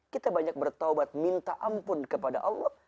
kita banyak bertaubat minta ampun kepada allah